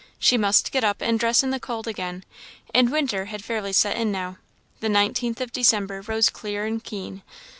She must get up and dress in the cold, again; and winter had fairly set in now; the 19th of December rose clear and keen.